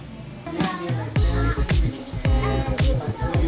bisa jalan bisa jalan